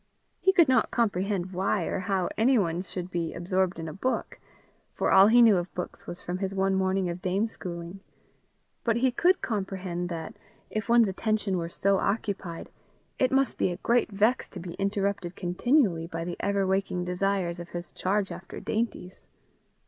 He could not comprehend why or how anyone should be absorbed in a book, for all he knew of books was from his one morning of dame schooling; but he could comprehend that, if one's attention were so occupied, it must be a great vex to be interrupted continually by the ever waking desires of his charge after dainties.